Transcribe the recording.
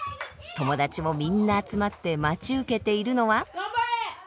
友達もみんな集まって待ち受けているのは。